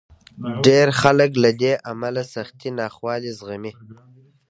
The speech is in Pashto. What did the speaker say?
ډېر خلک له دې امله سختې ناخوالې زغمي.